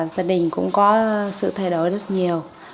gia đình cũng có sự thay đổi rất nhiều